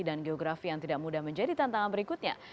dan geografi yang tidak mudah menjadi tantangan berikutnya